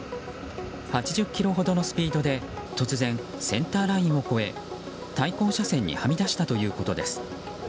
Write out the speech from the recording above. ８０キロほどのスピードで突然、センターラインを越え対向車線にはみ出したということです。